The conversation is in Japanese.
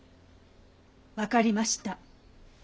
分かりました。